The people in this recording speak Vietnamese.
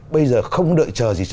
bây giờ không đợi chờ gì